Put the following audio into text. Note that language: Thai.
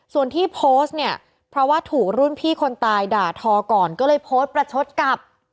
ส่วนที่โพสต์เนี่ยเพราะว่าถูกรุ่นพี่คนตายด่าทอก่อนก็เลยโพสต์ประชดกลับ